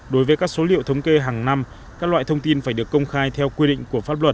đối với các số liệu thống kê hàng năm các loại thông tin phải được công khai theo quy định của pháp luật